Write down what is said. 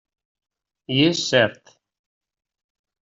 I és cert.